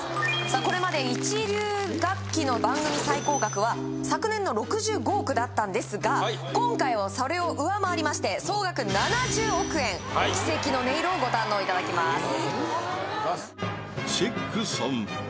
これまで一流楽器の番組最高額は昨年の６５億だったんですが今回はそれを上回りまして総額７０億円奇跡の音色をご堪能いただきますチェック